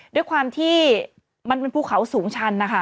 ด้วยความที่มันเป็นภูเขาสูงชันนะคะ